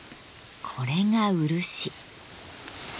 これが漆。